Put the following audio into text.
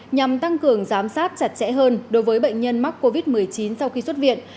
nhằm tăng cường giám sát chặt chẽ hơn đối với bệnh nhân mắc covid một mươi chín sau khi xuất viện